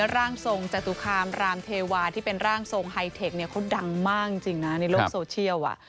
ร่างทรงจตุคามรามเทวาที่เป็นร่างทรงไฮเทคเนี่ยเขาดังมากจริงนะในโลกโซเชียล